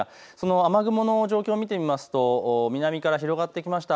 その雨雲の状況を見てみると南から広がってきました。